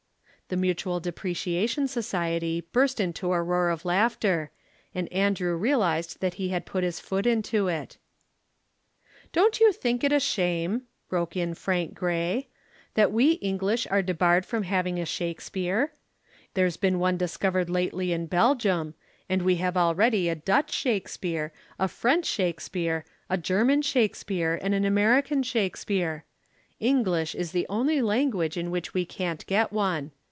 _"] The Mutual Depreciation Society burst into a roar of laughter and Andrew realized that he had put his foot into it. "Don't you think it a shame," broke in Frank Grey, "that we English are debarred from having a Shakespeare. There's been one discovered lately in Belgium, and we have already a Dutch Shakespeare, a French Shakespeare, a German Shakespeare, and an American Shakespeare. English is the only language in which we can't get one.